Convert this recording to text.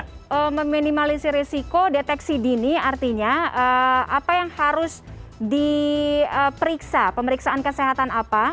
untuk meminimalisir risiko deteksi dini artinya apa yang harus diperiksa pemeriksaan kesehatan apa